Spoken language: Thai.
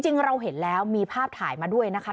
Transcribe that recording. จริงเราเห็นแล้วมีภาพถ่ายมาด้วยนะคะ